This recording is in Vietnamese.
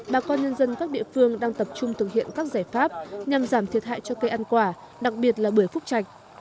bà con nhân dân các địa phương đang tập trung thực hiện các giải pháp nhằm giảm thiệt hại cho cây ăn quả đặc biệt là bưởi phúc trạch